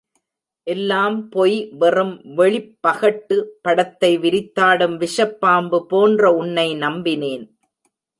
எல்லாம் பொய் வெறும் வெளிப்பகட்டு படத்தை விரித்தாடும் விஷப்பாம்பு போன்ற உன்னை நம்பினேன்.